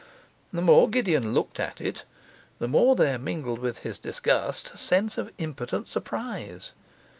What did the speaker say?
The more Gideon looked at it, the more there mingled with his disgust a sense of impotent surprise.